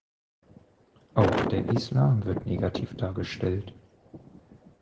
Auch der Islam wird negativ dargestellt.